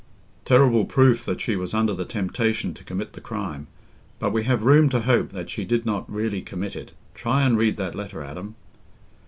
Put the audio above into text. "Terrible proof that she was under the temptation to commit the crime; but we have room to hope that she did not really commit it. Try and read that letter, Adam."